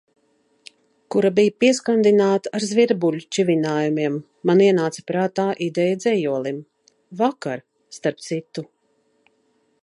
Kura bija pieskandināta ar zvirbuļu čivinājumiem, man ienāca prātā ideja dzejolim. Vakar, starp citu.